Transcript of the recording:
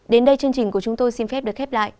đến đây chương trình của chúng tôi xin phép được khép lại